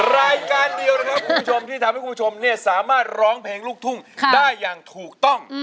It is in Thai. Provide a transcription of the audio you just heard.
รายการเดียวนะครับคุณผู้ชมที่ทำให้คุณผู้ชมสามารถร้องเพลงลูกทุ่งได้อย่างถูกต้อง